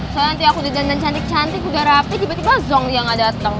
soalnya nanti aku didandan cantik cantik udah rapi tiba tiba zongli yang gak datang